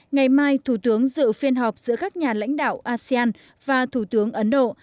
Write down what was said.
ngày mai thủ tướng dự phiên họp giữa các nhà lãnh đạo asean và thủ tướng ấn độ